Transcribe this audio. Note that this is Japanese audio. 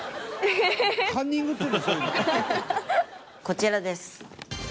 こちらです。